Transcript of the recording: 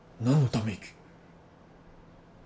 何のため息？